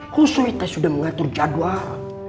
kusoi kasihan sudah mengatur jadwal